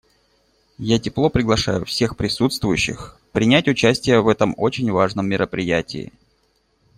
Я тепло приглашаю всех присутствующих принять участие в этом очень важном мероприятии.